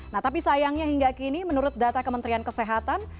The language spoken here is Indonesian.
nah tapi sayangnya hingga kini menurut data kementerian kesehatan